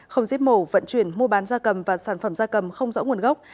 không giết mổ vận chuyển mua bán da cầm và sản phẩm da cầm không rõ nguồn gốc